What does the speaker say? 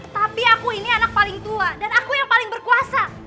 tapi aku ini anak paling tua dan aku yang paling berkuasa